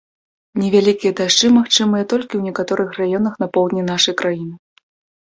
Невялікія дажджы магчымыя толькі ў некаторых раёнах на поўдні нашай краіны.